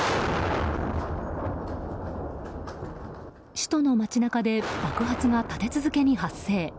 首都の街中で爆発が立て続けに発生。